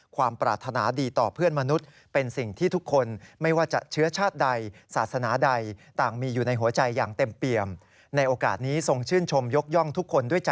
ความปรารถนาดีต่อเพื่อนมนุษย์เป็นสิ่งที่ทุกคน